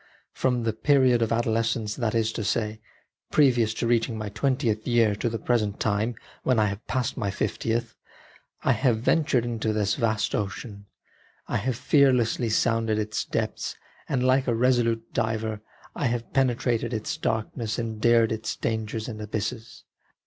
From the period of adolescence, that is to say, previous to reaching my twentieth year to the present time when I have passed my fiftieth, I HIS THIRST FOR KNOWLEDGE 13 have ventured into this vast ocean ; I have fearlessly sounded its depths, and, like a resolute diver, I have penetrated its darkness and dared its dangers and abysses.